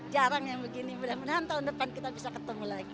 jarang yang begini mudah mudahan tahun depan kita bisa ketemu lagi